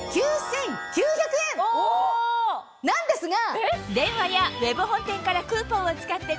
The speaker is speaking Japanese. なんですが！